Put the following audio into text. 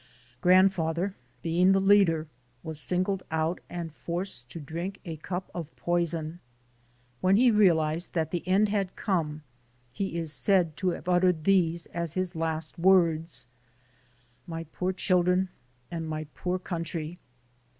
Grandfather, being the leader, was singled out and forced to drink a cup of poison. When he realized that the end had come he is said to have uttered these as his last words : "My poor children and my country!"